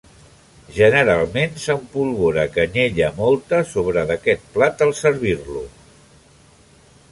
Generalment s'empolvora canyella mòlta sobre d'aquest plat a servir-lo.